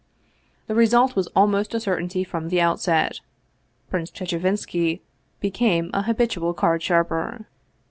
The result was almost a certainty from the outset, Prince Chechevinski became a habitual card sharper.